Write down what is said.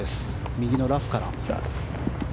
右のラフから。